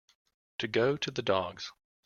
To go to the dogs.